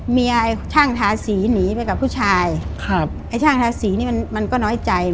เมียช่างทาสีหนีไปกับผู้ชายอันช่างทาสีเนี่ยมันก็น้อยใจ